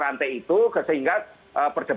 bagaimana sekarang ini mempercepat pemutusan pemerintah